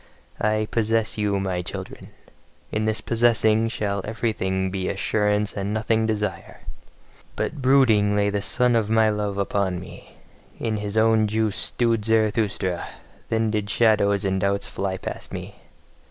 I POSSESS YOU, MY CHILDREN! In this possessing shall everything be assurance and nothing desire. But brooding lay the sun of my love upon me, in his own juice stewed Zarathustra, then did shadows and doubts fly past me.